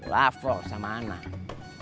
lafor sama anak